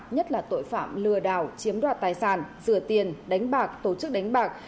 nhất là tội phạm lừa đảo chiếm đoạt tài sản rửa tiền đánh bạc tổ chức đánh bạc